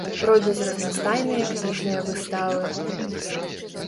Пройдуць разнастайныя кніжныя выставы.